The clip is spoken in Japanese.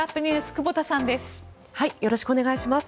久保田さんです。